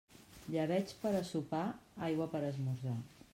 Llebeig per a sopar, aigua per a esmorzar.